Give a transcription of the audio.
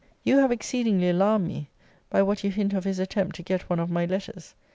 You have exceedingly alarmed me by what you hint of his attempt to get one of my letters.